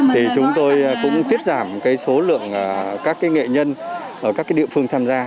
thì chúng tôi cũng tiết giảm cái số lượng các nghệ nhân ở các địa phương tham gia